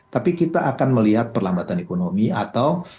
tapi kita akan melihat perlambatan ekonomi atau